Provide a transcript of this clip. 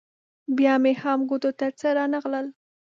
بیا مې هم ګوتو ته څه رانه غلل.